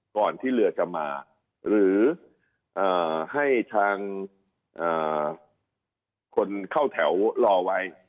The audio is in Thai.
ก่อนที่เรือจะมาหรือให้ทางคนเข้าแถวรอไว้